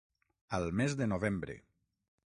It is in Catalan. Al mes de novembre.